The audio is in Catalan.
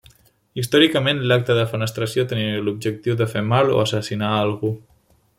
Històricament, l'acte de defenestració tenia l'objectiu de fer mal o assassinar a algú.